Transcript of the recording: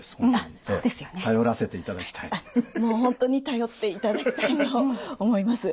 もう本当に頼っていただきたいと思います。